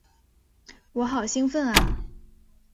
我好兴奋啊！